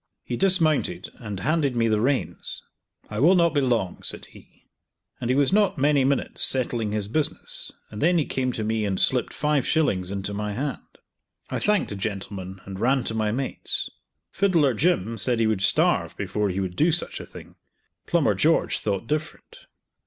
He dismounted, and handed me the reins. "I will not be long," said he; and he was not many minutes settling his business, and then he came to me and slipped five shillings into my hand. I thanked the gentleman, and ran to my mates. Fiddler Jim said he would starve before he would do such a thing; Plumber George thought different.